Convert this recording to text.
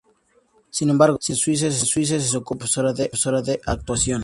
Sin embargo, en Suiza se ocupó como profesora de actuación.